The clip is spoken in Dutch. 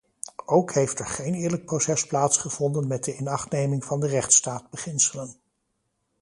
Ook heeft er geen eerlijk proces plaatsgevonden met inachtneming van de rechtsstaatbeginselen.